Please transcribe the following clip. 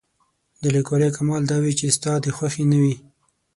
د لیکوالۍ کمال دا وي چې ستا د خوښې نه وي.